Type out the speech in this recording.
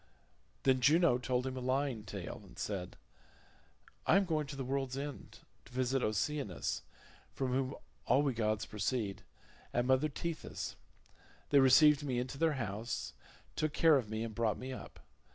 Then Juno told him a lying tale and said, "I am going to the world's end, to visit Oceanus, from whom all we gods proceed, and mother Tethys; they received me into their house, took care of me, and brought me up.